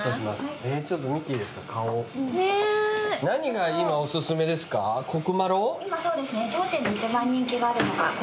何が今お薦めですか？